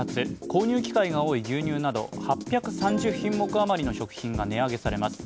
購入機会が多い牛乳など、８３３品目あまりの食品が値上げされます。